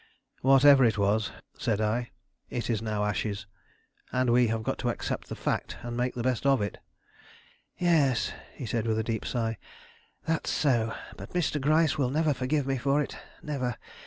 "Whatever it was," said I, "it is now ashes, and we have got to accept the fact and make the best of it." "Yes," said he with a deep sigh; "that's so; but Mr. Gryce will never forgive me for it, never.